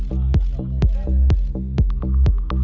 oke siap oke salam